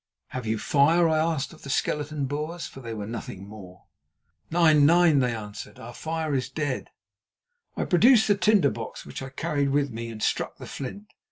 "Have you fire?" I asked of the skeleton Boers, for they were nothing more. "Nein, nein," they answered; "our fire is dead." I produced the tinder box which I carried with me, and struck the flint.